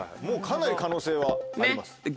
もうかなり可能性はあります。